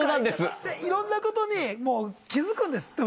でいろんなことに気付くんです。